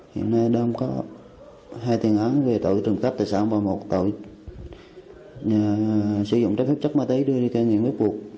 hiện nay đang có hai tên án về tội trộm cắp tài sản và một tội sử dụng chất má túy đưa đi ca nghiện bắt buộc